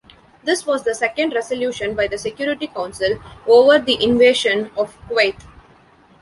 This was the second resolution by the Security Council over the invasion of Kuwait.